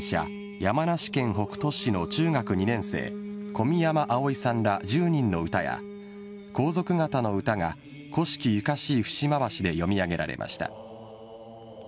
山梨県北杜市の中学２年生小宮山碧生さんら１０人の歌や皇族方の歌が古式ゆかしい節回しで詠み上げられました。